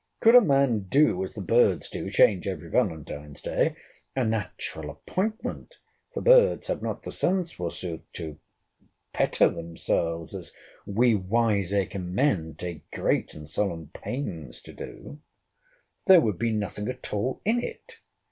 —Could a man do as the birds do, change every Valentine's day, [a natural appointment! for birds have not the sense, forsooth, to fetter themselves, as we wiseacre men take great and solemn pains to do,] there would be nothing at all in it.